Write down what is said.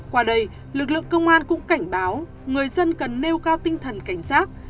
qua đây lực lượng công an cũng cảnh báo người dân cần nêu cao tinh thần cảnh giác